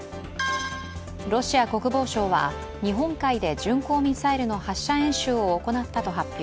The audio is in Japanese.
ロシア国防省は日本海で巡航ミサイルの発射演習を行ったと発表。